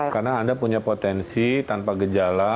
karena anda punya potensi tanpa gejala